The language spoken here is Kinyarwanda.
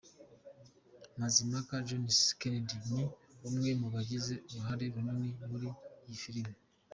Mazimpaka Jones Kennedy ni umwe mu bagize uruhare runini muri iyi filime.